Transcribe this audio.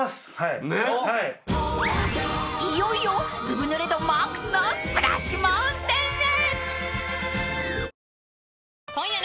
［いよいよずぶぬれ度マックスのスプラッシュ・マウンテンへ！］